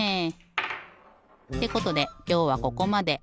ってことできょうはここまで。